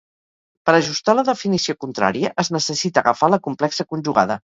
Per ajustar la definició contrària, es necessita agafar la complexa conjugada.